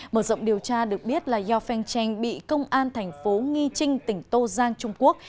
mở rộng điều tra được biết là yao feng cheng bị công an tp nghi trinh tỉnh tô giang trung quốc